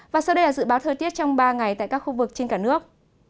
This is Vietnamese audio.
và sau đây là dự báo thời tiết trong ba ngày tại các khu vực trên cả nước